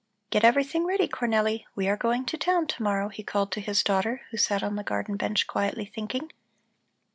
"Get everything ready, Cornelli! We are going to town to morrow," he called to his daughter, who sat on the garden bench quietly thinking.